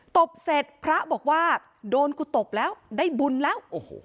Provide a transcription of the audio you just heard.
ตบเสร็จพระบอกว่าโดนกูตบแล้วได้บุญแล้ว